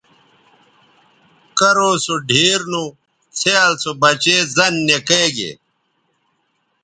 کرو سو ڈِھیر نو څھیال سو بچے زَن نِکئے گے